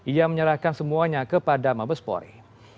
ia menyerahkan semuanya kepada mabespori